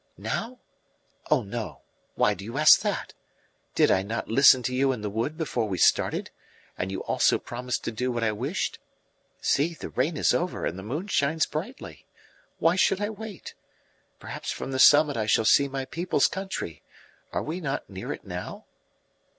"Now? Oh, no why do you ask that? Did I not listen to you in the wood before we started, and you also promised to do what I wished? See, the rain is over and the moon shines brightly. Why should I wait? Perhaps from the summit I shall see my people's country. Are we not near it now?"